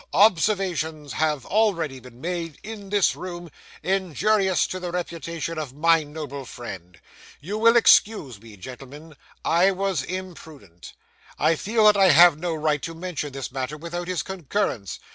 Observations have already been made, in this room, injurious to the reputation of my noble friend. You will excuse me, gentlemen; I was imprudent. I feel that I have no right to mention this matter without his concurrence.